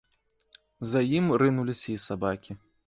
За ім рынуліся і сабакі.